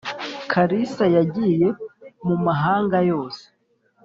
karisa yagiye mu mahanga yose.